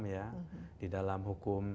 ya di dalam hukum